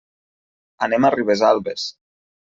Anem a Ribesalbes.